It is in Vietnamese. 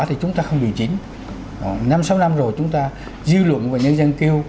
thì chúng ta không điều chỉnh năm sáu năm rồi chúng ta dư luận và nhân dân kêu